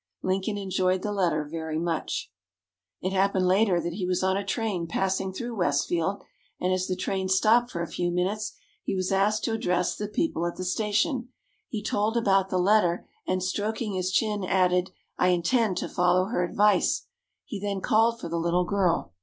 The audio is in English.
Lincoln enjoyed the letter very much. It [Illustration: "HE'S BEAUTIFUL"] happened later that he was on a train passing through Westfield, and, as the train stopped for a few minutes, he was asked to address the people at the station. He told about the letter, and stroking his chin, added: "I intend to follow her advice!" He then called for the little girl.